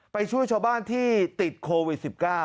ไปช่วยชาวบ้านที่ติดโควิด๑๙